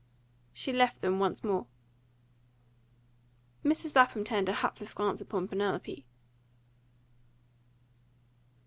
She left them once more. Mrs. Lapham turned a hapless glance upon Penelope.